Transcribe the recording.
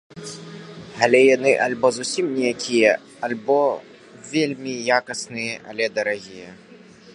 Але яны альбо зусім ніякія, альбо вельмі якасныя, але дарагія.